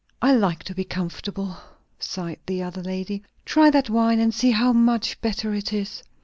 "I like to be comfortable!" sighed the other lady. "Try that wine, and see how much better it is."